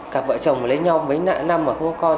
cặp vợ chồng lấy nhau mấy năm mà không có con